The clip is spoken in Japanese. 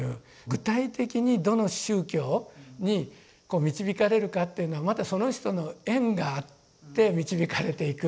具体的にどの宗教に導かれるかっていうのはまたその人の縁があって導かれていく。